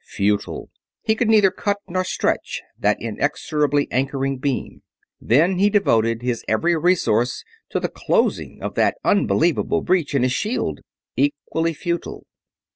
Futile. He could neither cut nor stretch that inexorably anchoring beam. Then he devoted his every resource to the closing of that unbelievable breach in his shield. Equally futile.